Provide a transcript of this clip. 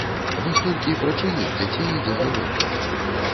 Вось толькі пра чыіх дзяцей ідзе гаворка?